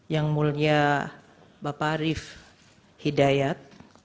yang mulia bapak arief hidayat